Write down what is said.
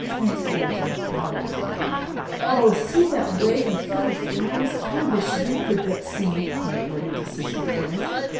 TRANSPLANTING THE FLOWERS "Oh, see that wagon full of flowers. I wish we could get some," cried Bertie to sister Phillis.